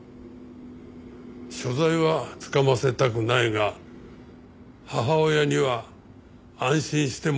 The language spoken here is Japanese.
所在はつかませたくないが母親には安心してもらいたい。